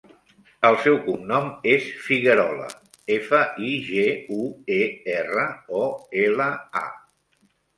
El seu cognom és Figuerola: efa, i, ge, u, e, erra, o, ela, a.